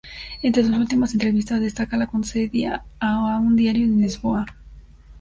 Entre sus últimas entrevistas destaca la concedida a un diario en Lisboa.